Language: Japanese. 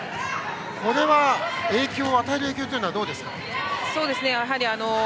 これは、与える影響はどうですか。